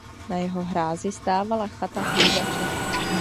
Na jeho hrázi stávala chata hlídače.